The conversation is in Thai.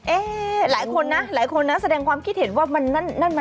เอ๊หลายคนนะแสดงความคิดเห็นว่านั้นนานราคา